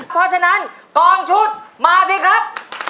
เพราะฉะนั้นกองชุดมาสิครับ